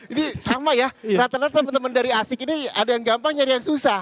ini sama ya rata rata teman teman dari asik ini ada yang gampang nyari yang susah